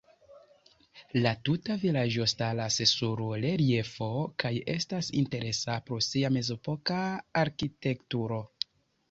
La tuta vilaĝo staras sur reliefo kaj estas interesa pro sia mezepoka arkitekturo.